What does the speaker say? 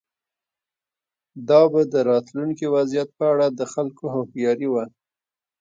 دا به د راتلونکي وضعیت په اړه د خلکو هوښیاري وه.